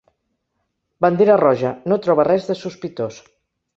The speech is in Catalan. Bandera Roja, no troba res de sospitós.